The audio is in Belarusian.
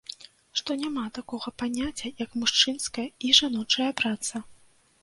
Што няма такога паняцця, як мужчынская і жаночая праца.